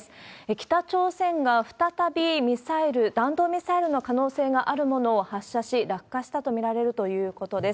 北朝鮮が再びミサイル、弾道ミサイルの可能性のあるものを発射し、落下したと見られるということです。